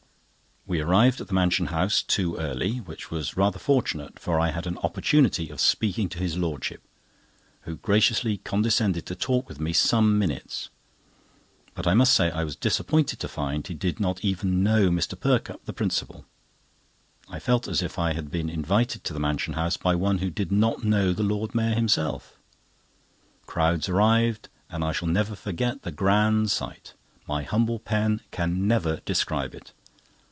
We arrived at the Mansion House too early, which was rather fortunate, for I had an opportunity of speaking to his lordship, who graciously condescended to talk with me some minutes; but I must say I was disappointed to find he did not even know Mr. Perkupp, our principal. I felt as if we had been invited to the Mansion House by one who did not know the Lord Mayor himself. Crowds arrived, and I shall never forget the grand sight. My humble pen can never describe it.